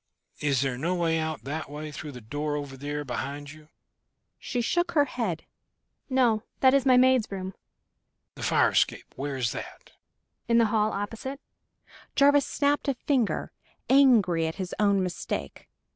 Is there no way out that way, through the door over there behind you?" She shook her head. "No, that is my maid's room." "The fire escape where is that?" "In the hall opposite." Jarvis snapped a finger, angry at his own mistake.